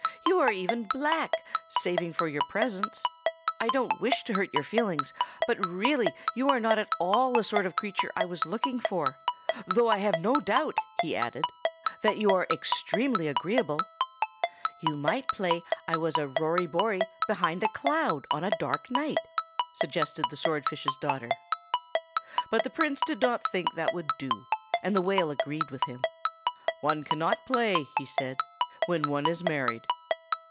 "You are even black, saving your presence. I don't wish to hurt your feelings, but really you are not at all the sort of creature I was looking for; though I have no doubt," he added, "that you are extremely agreeable." "You might play I was a Rory Bory behind a cloud on a dark night," suggested the swordfish's daughter. But the Prince did not think that would do, and the whale agreed with him. "One cannot play," he said, "when one is married."